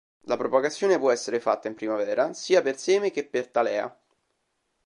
La propagazione può essere fatta in primavera sia per seme che per talea.